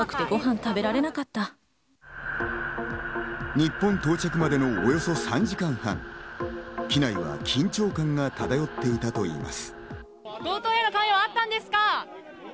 日本到着までのおよそ３時間半、機内は緊張感が漂っていたといいます。